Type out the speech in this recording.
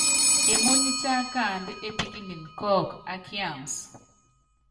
Emúny tiakanda epíkinin kɔ́ɔk a kiansɛ.